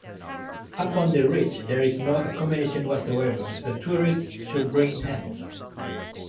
Up on the ridge there is no accommodation whatsoever, so tourists should bring tents.